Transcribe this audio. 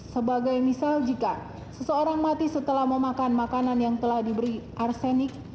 sebagai misal jika seseorang mati setelah memakan makanan yang telah diberi arsenik